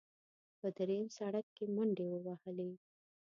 په درېیم سړک کې منډې ووهلې.